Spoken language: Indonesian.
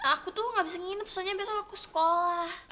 aku tuh gak bisa nginep soalnya biasanya aku sekolah